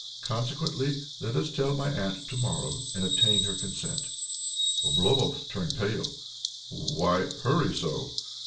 " Consequently, let us tell OBLOMOV 215 my aunt to morrow, and obtain her con sent." Oblomov turned pale. " Wliy hurry so